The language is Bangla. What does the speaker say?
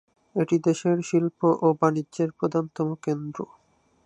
এটি দেশটির শিল্প ও বাণিজ্যের প্রধানতম কেন্দ্র।